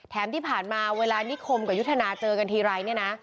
แถมที่ผ่านมาเวลานิคมกับยุธนาเจอกันทีไร